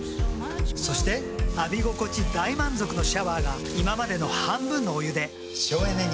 そして浴び心地大満足のシャワーが今までの半分のお湯で省エネに。